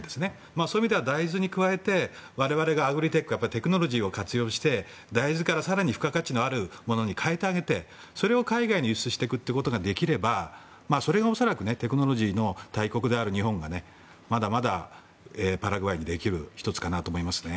そういう意味では大豆に加えて我々がテクノロジーを活用して大豆から更に付加価値のあるものに変えてあげて、それを海外に輸出していくことができればそれが恐らくテクノロジーの大国である日本がまだまだパラグアイにできる１つかなと思いますね。